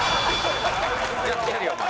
やってやるよお前。